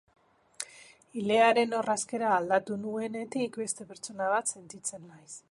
Ilearen orrazkera aldatu nuenetik beste pertsona bat sentitzen naiz.